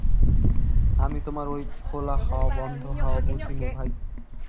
আমি তোমার ঐ খোলা হাওয়া বন্ধ হাওয়া বুঝি নে ভাই!